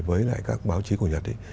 với lại các báo chí của nhật ấy